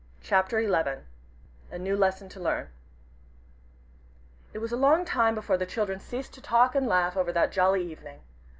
CHAPTER XI A NEW LESSON TO LEARN It was a long time before the children ceased to talk and laugh over that jolly evening.